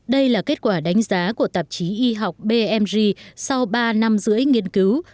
đây là kết quả đánh giá của tạp chí y học bmg sau ba năm rưỡi nghiên cứu